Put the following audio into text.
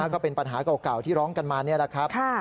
ก็เป็นปัญหาเก่าที่ร้องกันมานี่แหละครับ